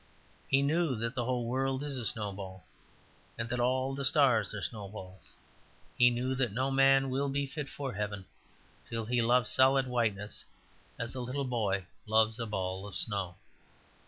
He knew that the whole world is a snowball, and that all the stars are snowballs. He knew that no man will be fit for heaven till he loves solid whiteness as a little boy loves a ball of snow.